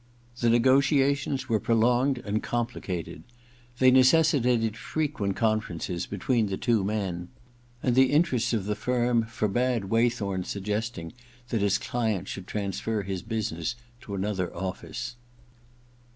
The negotiations were pro longed and complicated ; they necessitated fre quent conferences between the two men, and the interests of the firm forbade Waythorn's IV THE OTHER TWO 67 suggesting that his client should transfer his business to another office.